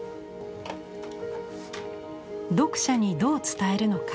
読者にどう伝えるのか。